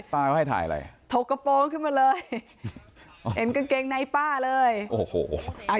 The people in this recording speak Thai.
ไถ่อะไรถอกกระโปรงขึ้นมาเลยเจ็มกันเกงในป้าเลยโอ้น